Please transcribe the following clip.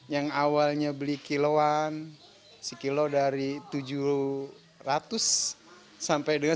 yang awalnya beli kiluan satu kilo dari tujuh ratus sampai dengan seribu lima ratus